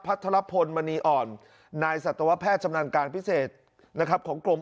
ทรพลมณีอ่อนนายสัตวแพทย์ชำนาญการพิเศษนะครับของกรม